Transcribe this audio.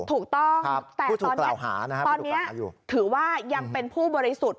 ถูกต้องแต่ตอนนี้ถือว่ายังเป็นผู้บริสุทธิ์